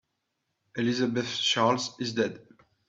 Elizabeth Charles is dead.